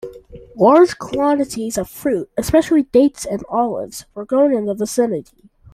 Large quantities of fruit, especially dates and olives, were grown in the vicinity.